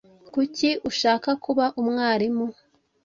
Kuki ushaka kuba umwarimu?